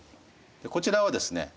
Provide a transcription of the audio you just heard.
こちらはですね